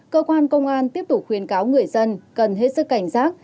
cơ quan công an tiếp tục khuyến cáo người dân cần hết sức cảnh giác